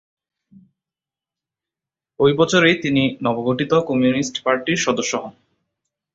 ওই বছরেই তিনি নবগঠিত কমিউনিস্ট পার্টির সদস্য হন।